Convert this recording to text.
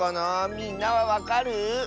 みんなはわかる？